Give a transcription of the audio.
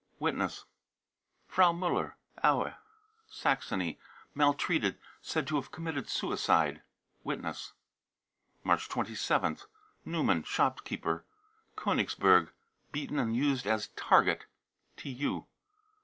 (Witness.) frau muller, Aue, Saxony, maltreated, said to have committed suicide. (Witness.) March 27th. Neumann, shopkeeper, Konigsberg, beaten and used as target. {TU.)